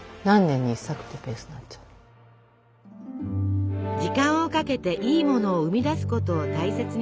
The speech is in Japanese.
時間をかけていいものを生み出すことを大切にしていたヴェルディ。